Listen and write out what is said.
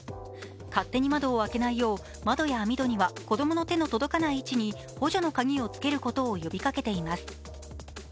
勝手に窓を開けないよう、窓や網戸には子供の手の届かない位置に補助の鍵を付けることを呼びかけています。